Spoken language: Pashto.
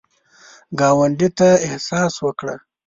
ګاونډي ته احسان وکړه